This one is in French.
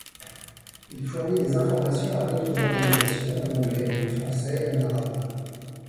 Il fournit des informations à d'autres organisations en anglais, en français et en arabe.